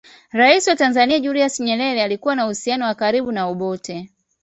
Rais wa Tanzania Julius Nyerere alikuwa na uhusiano wa karibu na Obote